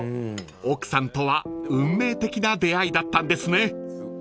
［奥さんとは運命的な出会いだったんですね］